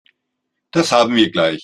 Das haben wir gleich.